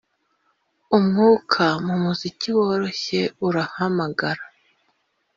umwuka mumuziki woroshye urahamagara,